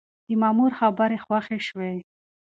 د مامور خبرې خوښې شوې.